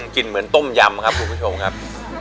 กินเหมือนต้มยำครับคุณผู้ชมครับ